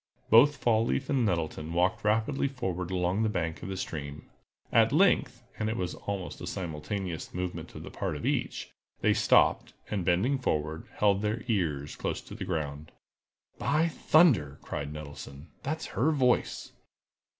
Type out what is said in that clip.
Both Fall leaf and Nettleton walked rapidly forward along the bank of the stream. At length—and it was almost a simultaneous movement on the part of each—they stopped, and bending forward, held their ears close to the ground. "By thunder!" cried Nettleton, "that's her voice!"